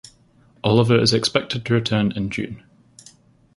Olivier is expected to return in June.